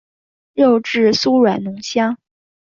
肉质酥软浓香。